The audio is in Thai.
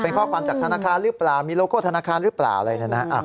เป็นข้อความจากธนาคารหรือเปล่ามีโลโก้ธนาคารหรือเปล่าอะไรเนี่ยนะ